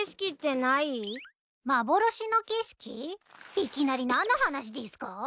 いきなり何の話でぃすか？